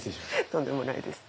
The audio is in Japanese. とんでもないです。